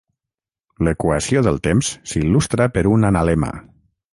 L'equació del temps s'il·lustra per un analema.